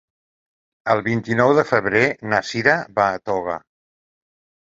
El vint-i-nou de febrer na Cira va a Toga.